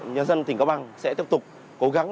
nhà dân tỉnh cao bằng sẽ tiếp tục cố gắng